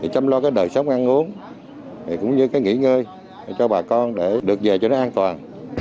chăm lo cái đời sống ăn uống cũng như cái nghỉ ngơi cho bà con để được về cho nó an toàn